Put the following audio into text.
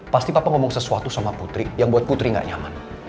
pasti papa ngomong sesuatu sama putri yang buat putri gak nyaman